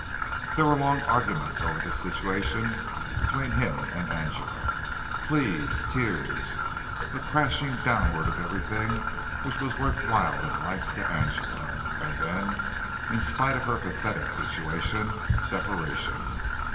There were long arguments over this situation between him and Angela pleas, tears, a crashing downward of everything which was worth while in life to Angela, and then, in spite of her pathetic situation, separation.